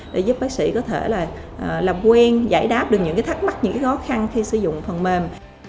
để giúp bác sĩ có thể làm quen giải đáp được những thắc mắc những khó khăn khi sử dụng phần mềm